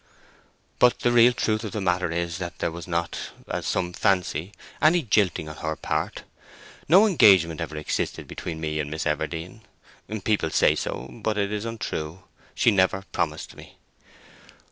"—But the real truth of the matter is that there was not, as some fancy, any jilting on—her part. No engagement ever existed between me and Miss Everdene. People say so, but it is untrue: she never promised me!"